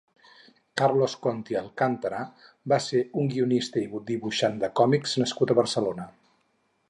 Carlos Conti Alcántara va ser un guionista i dibuixant de còmics nascut a Barcelona.